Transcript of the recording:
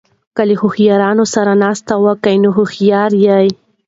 که له هوښیارو سره ناسته کوئ؛ نو هوښیار يې.